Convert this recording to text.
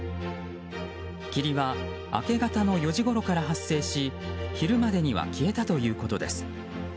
霧は明け方の４時ごろから発生し昼までには消えたということです。